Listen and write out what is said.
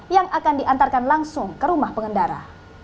yang akan diantarkan langsung ke rumah pengendara